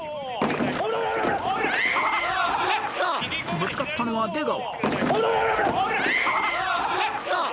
［ぶつかったのは出川］